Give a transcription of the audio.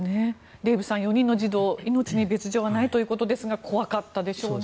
デーブさん、４人の児童命に別条はないということですが怖かったでしょうね。